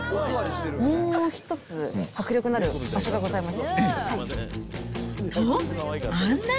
もう一つ、迫力のある場所がございまして。